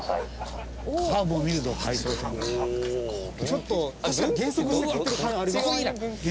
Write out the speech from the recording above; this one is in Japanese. ちょっと確かに減速していってる感ありますね。